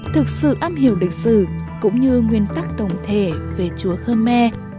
thực sự âm hiểu lịch sử cũng như nguyên tắc tổng thể về chùa khơ me